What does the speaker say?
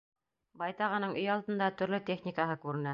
Байтағының өй алдында төрлө техникаһы күренә.